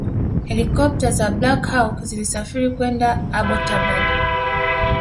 helikopta za Black Hawk zilisafiri kwenda Abbottabad